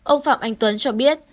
ông phạm anh tuấn cho biết